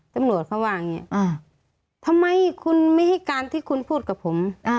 ตำรวจเขาว่าอย่างนี้ทำไมคุณไม่ให้การที่คุณพูดกับผม